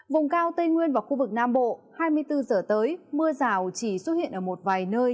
vùng cao tây nguyên và khu vực nam bộ hai mươi bốn giờ tới mưa rào chỉ xuất hiện ở một vài nơi